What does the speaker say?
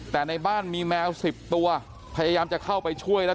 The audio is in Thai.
แต่ในบ้านมีแมว๑๐ตัวพยายามจะเข้าไปช่วยแล้ว